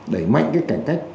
đẩy mạnh cảnh tách